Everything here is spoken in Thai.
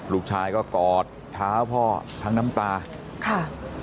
ลูกชายก็กอดเท้าพ่อทั้งน้ำตาค่ะ